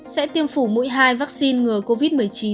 sẽ tiêm phủ mũi hai vaccine ngừa covid một mươi chín